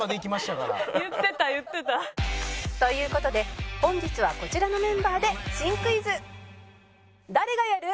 という事で本日はこちらのメンバーで新クイズ誰がやる？